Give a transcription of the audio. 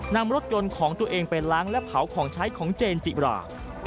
นำรถยนต์ของตัวเองไปล้างและเผาของใช้ของเจนจิบรา